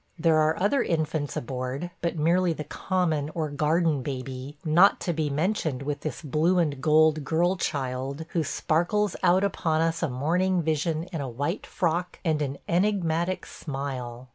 There are other infants aboard, but merely "the common or garden" baby, not to be mentioned with this blue and gold girl child who sparkles out upon us a morning vision in a white frock and an enigmatic smile.